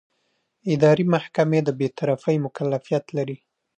اداري محکمې د بېطرفۍ مکلفیت لري.